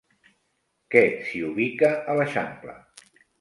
Què s'hi ubica a l'eixample?